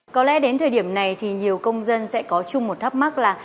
có lẽ đến thời điểm này thì nhiều công dân sẽ có chung một thắc mắc là